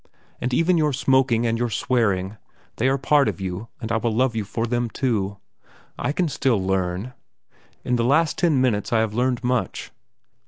And even your smoking and your swearing—they are part of you and I will love you for them, too. I can still learn. In the last ten minutes I have learned much.